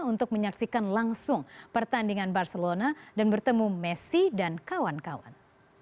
untuk menyaksikan langsung pertandingan barcelona dan bertemu messi dan kawan kawan